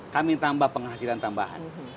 kami tambah penghasilan tambahan